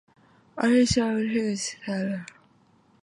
Algerine Seamount is one of the seven named Fogo Seamounts.